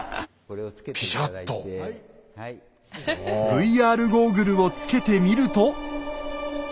ＶＲゴーグルをつけてみると。